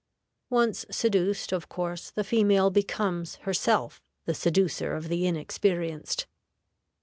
Once seduced, of course the female becomes herself the seducer of the inexperienced.